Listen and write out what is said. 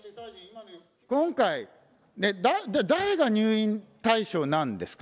今回、誰が入院対象なんですか？